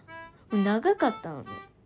長かったのね。